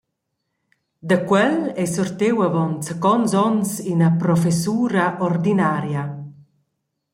Da quel ei sortiu avon zacons onns ina professura ordinaria.